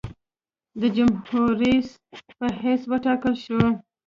د جمهورریس په حیث وټاکل شوم.